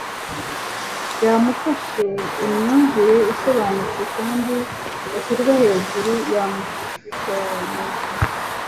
byamufashe. imyumvire isobanutse kandi ishyizwe hejuru yamushoboje